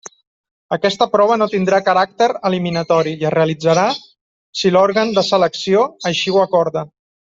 Aquesta prova no tindrà caràcter eliminatori i es realitzarà si l'òrgan de selecció així ho acorda.